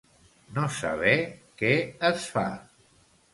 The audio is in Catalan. No saber què es fa.